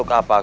aku pun punya